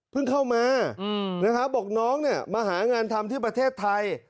เข้ามานะครับบอกน้องเนี่ยมาหางานทำที่ประเทศไทย